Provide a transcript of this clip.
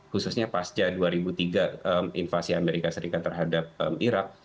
khususnya pasca dua ribu tiga invasi amerika serikat terhadap irak